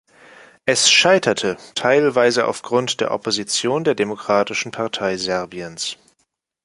Es scheiterte, teilweise aufgrund der Opposition der Demokratischen Partei Serbiens.